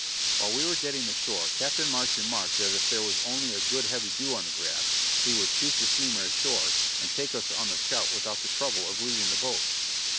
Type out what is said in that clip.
While we were getting ashore, Captain Marsh remarked that if there was only a good heavy dew on the grass he would shoot the steamer ashore and take us on the scout without the trouble of leaving the boat.